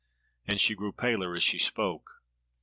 And she grew paler as she spake.